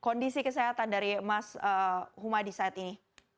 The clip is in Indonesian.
kondisi kesehatan dari mas humadi saat ini